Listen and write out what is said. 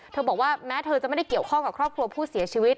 บอกว่าแม้เธอจะไม่ได้เกี่ยวข้องกับครอบครัวผู้เสียชีวิต